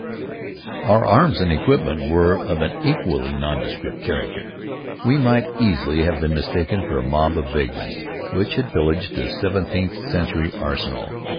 Our arms and equipment were of an equally nondescript character. We might easily have been mistaken for a mob of vagrants which had pillaged a seventeenth century arsenal.